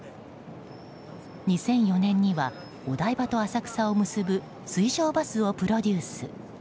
２００４年にはお台場と浅草を結ぶ水上バスをプロデュース。